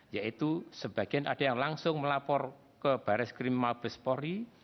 yaitu sebagian ada yang langsung melapor ke baris krim mabespori